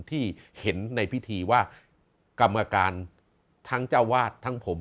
ที่เห็นในพิธีว่ากรรมการทั้งเจ้าวาดทั้งผม